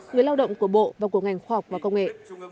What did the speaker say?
người lao động của bộ và của ngành khoa học và công nghệ